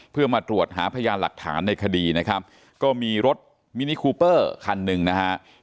เพื่อมาตรวจหาพยานหลักฐานในคดีนะครับก็มีรถมินิคูเปอร์คันหนึ่งนะฮะ